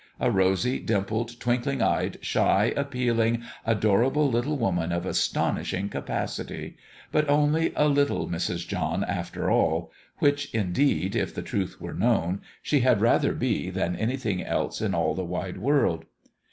A rosy, dimpled, twinkling eyed, shy, appealing, ador 356 LOVE AND LABOUR able little woman, of astonishing capacity : but only a little Mrs. John, after all which, indeed, if the truth were known, she had rather be than anything else in all the wide world.